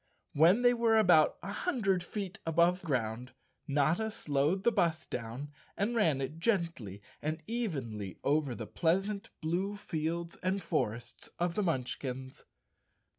When they were about a hundred feet above ground, Notta slowed the bus down and ran it gently and evenly over the pleasant blue fields and forests of the Munchkins.